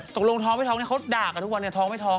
ท้องไม่ท้องเนี่ยเขาด่ากันทุกวันเนี่ยท้องไม่ท้อง